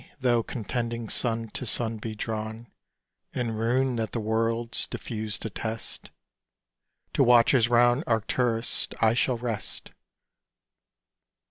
tho' contending sun to sun be drawn In ruin that the worlds diffused attest To watchers round Arcturus, I shall rest!